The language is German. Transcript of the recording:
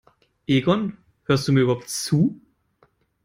Egon, hörst du mir überhaupt zu?